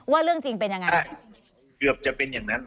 ว่าเรื่องจริงเป็นยังไง